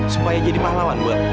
supaya jadi pahlawan gue